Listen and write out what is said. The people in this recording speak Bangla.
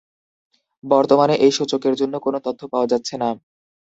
বর্তমানে এই সূচকের জন্য কোনো তথ্য পাওয়া যাচ্ছে না।